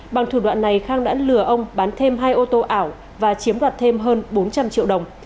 bằng thủ đoạn này khang đã lừa ông bán thêm hai ô tô ảo và chiếm đoạt thêm hơn bốn trăm linh triệu đồng